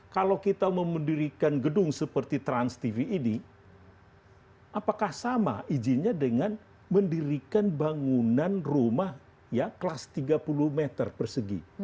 kalau kita memendirikan gedung seperti transtv ini apakah sama izinnya dengan mendirikan bangunan rumah kelas tiga puluh meter persegi